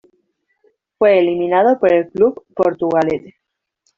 Fue eliminado por el Club Portugalete.